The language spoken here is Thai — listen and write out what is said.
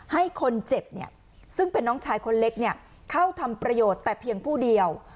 ให้คนเจ็บซึ่งเป็นน้องชายคนเล็กเข้าทำประโยชน์แต่เพียงผู้เดียว